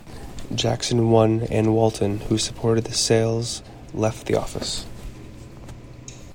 Jackson won, and Walton, who supported the sales, left the office.